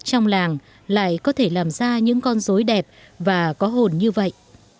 trong làng lại có thể làm ra những con dối đẹp và có hồn như vậy